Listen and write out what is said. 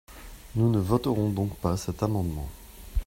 Nous ne voterons donc pas cet amendement.